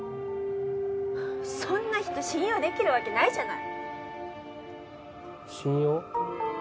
そんな人信用できるわけないじゃない信用？